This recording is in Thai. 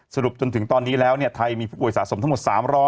สรุปจนถึงตอนนี้แล้วเนี่ยไทยมีผู้ป่วยสะสมทั้งหมด